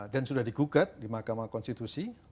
dan sudah digugat di makam konstitusi